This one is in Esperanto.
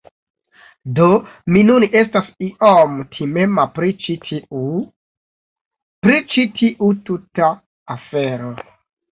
Do, mi nun estas iom timema pri ĉi tiu... pri ĉi tiu tuta afero.